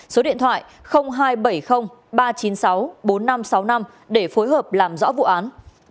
số điện thoại hai trăm bảy mươi ba trăm chín mươi sáu bốn nghìn năm trăm sáu mươi năm để phối hợp làm rõ vụ án